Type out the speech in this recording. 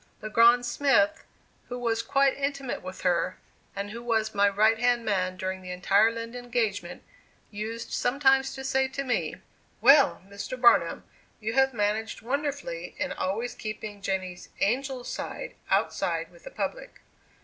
Le Grand Smith, who was quite intimate with her, and who was my right hand man during the entire Lind engagement, used sometimes to say to me: "Well, Mr. Barnum, you have managed wonderfully in always keeping Jenny's 'angel' side outside with the public."